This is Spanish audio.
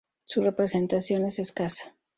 Su representación es escasa.